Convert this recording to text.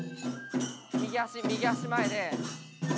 右足右足前で右手。